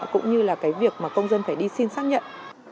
cũng như là cái việc mà công dân phải đi xin xác nhận